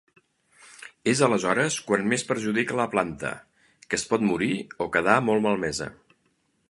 És aleshores quan més perjudica la planta, que es pot morir o quedar molt malmesa.